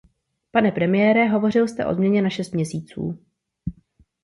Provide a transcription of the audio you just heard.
Pane premiére, hovořil jste o změně na šest měsíců.